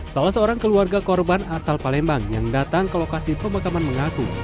salah seorang keluarga korban asal palembang yang datang ke lokasi pemakaman mengaku